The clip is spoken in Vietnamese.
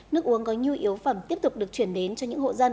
nước uống có nhu yếu phẩm tiếp tục được chuyển đến cho những hộ dân